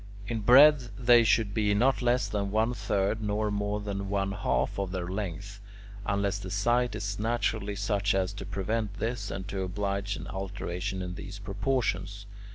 In breadth they should be not less than one third nor more than one half of their length, unless the site is naturally such as to prevent this and to oblige an alteration in these proportions.